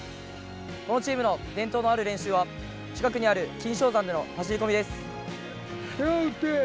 このチームの伝統のある練習は近くにある金生山での走り込みです。